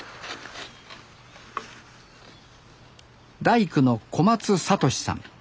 大工の小松聡志さん